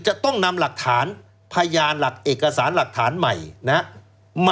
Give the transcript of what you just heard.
จะต้องนำหลักฐานพยานหลักเอกสารหลักฐานใหม่นะครับ